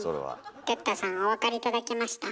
哲太さんお分かり頂けました？